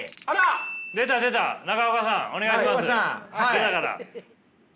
出たから。